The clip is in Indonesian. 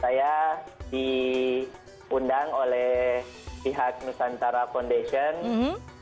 saya diundang oleh pihak nusantara foundation